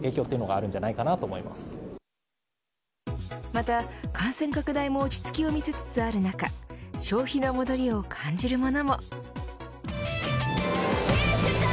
また、感染拡大も落ち着きを見せつつある中消費の戻りを感じるものも。